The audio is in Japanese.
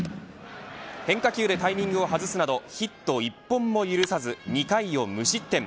変化球でタイミングを外すなどヒットを１本も許さず２回を無失点。